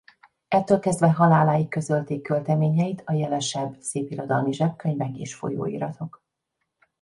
Ettől kezdve haláláig közölték költeményeit a jelesebb szépirodalmi zsebkönyvek és folyóiratok.